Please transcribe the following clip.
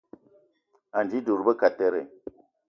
Anji dud be kateré